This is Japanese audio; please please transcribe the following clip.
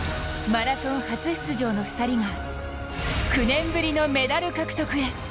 マラソン初出場の２人が９年ぶりのメダル獲得へ。